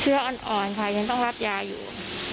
อ่อนค่ะยังต้องรับยาอยู่